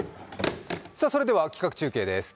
それでは企画中継です。